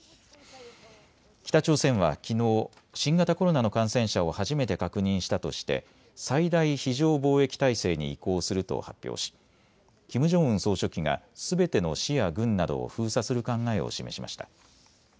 北朝鮮はきのう新型コロナの感染者を初めて確認したとして最大非常防疫態勢に移行すると発表しキム・ジョンウン総書記がすべての市や郡などを封鎖する考えを示しました。